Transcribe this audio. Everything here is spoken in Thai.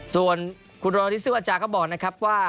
ส่วนคุณโรนทิศวาจาก็บอกนะครับว่า